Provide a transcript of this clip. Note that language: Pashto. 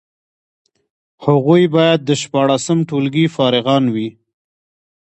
هغوی باید د شپاړسم ټولګي فارغان وي.